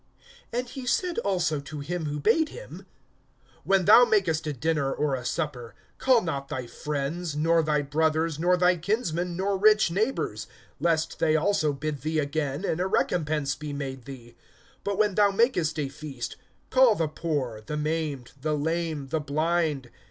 (12)And he said also to him who bade him: When thou makest a dinner or a supper, call not thy friends, nor thy brothers, nor thy kinsmen, nor rich neighbors; lest they also bid thee again, and a recompense be made thee. (13)But when thou makest a feast, call the poor, the maimed, the lame, the blind.